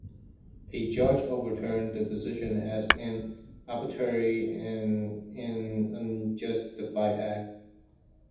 A judge overturned the decision as an "arbitrary and an unjustified act".